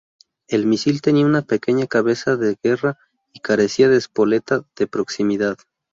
El misil tenía una pequeña cabeza de guerra, y carecía de espoleta de proximidad.